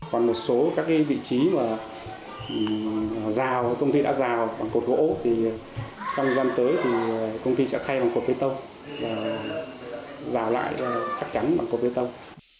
còn một số các vị trí mà công ty đã rào bằng cột gỗ thì trong thời gian tới thì công ty sẽ thay bằng cột bê tông rào lại khắc chắn bằng cột bê tông